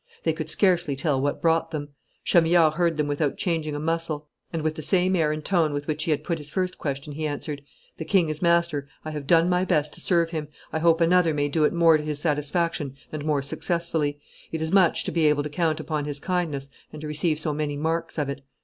They could scarcely tell what brought them. Chamillard heard them without changing a muscle, and with the same air and tone with which he had put his first question, he answered, 'The king is master. I have done my best to serve him; I hope another may do it more to his satisfaction and more successfully. It is much to be able to count upon his kindness and to receive so many marks of it.